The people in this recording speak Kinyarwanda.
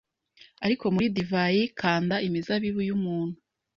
Ariko Muri DivayiKanda Imizabibu Yumuntu